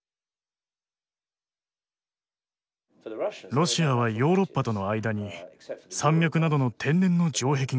ロシアはヨーロッパとの間に山脈などの天然の城壁がありません。